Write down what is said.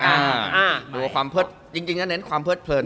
หรือว่าความเพิดจริงก็เน้นความเพิดเพลิน